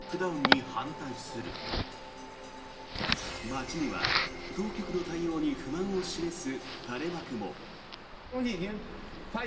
街には、当局の対応に不満を示す垂れ幕も。